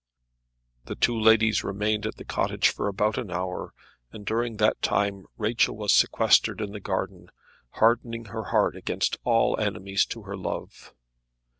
The two ladies remained at the cottage for about an hour, and during that time Rachel was sequestered in the garden, hardening her heart against all enemies to her love.